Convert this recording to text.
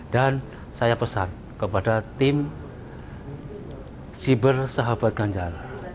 dan saya pesan kepada tim siber sahabat ganjar